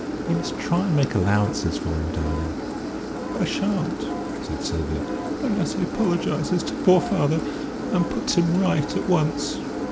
You must try and make allowances for him, darling." "I shan't," said Sylvia, "unless he apologises to poor father, and puts him right at once."